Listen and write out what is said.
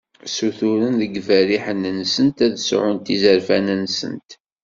Ssuturen deg yiberriḥen-nsent ad sɛunt izerfan-nsent.